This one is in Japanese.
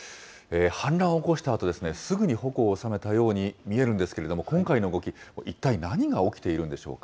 反乱を起こしたあと、すぐに矛を収めたように見えるんですけれども、今回の動き、一体、何が起き